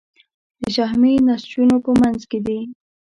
د شحمي نسجونو په منځ کې دي.